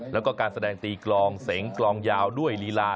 แล้วก็การแสดงตีกลองเสียงกลองยาวด้วยลีลา